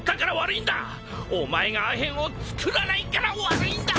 お前がアヘンをつくらないから悪いんだ！